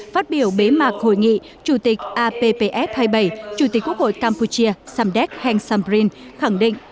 phát biểu bế mạc hội nghị chủ tịch appf hai mươi bảy chủ tịch quốc hội campuchia samdet hengsamrin khẳng định